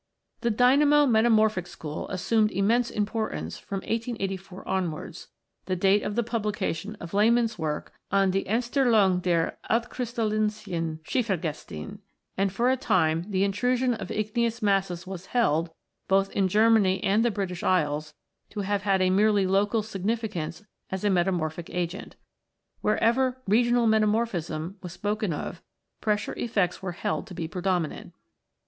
Thedynamo metamorphic school assumed immense importance from 1884 onwards, the date of the publi cation of Lehmann's work on "Die Entstehung der altkrystallinischen Schiefergesteine," and for a time the intrusion of igneous masses was held, both in Germany and the British Isles, to have had a merely local significance as a metamorphic agent. Where ever "regional metamorphism " was spoken of, pressure effects were held to be predominant.